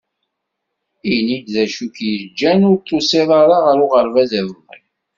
Ini-d d acu k-yeǧǧan ur d-tusiḍ ara ɣer uɣerbaz iḍelli.